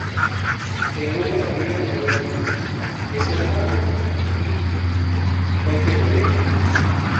Cae enfermo en Eu, donde fallece.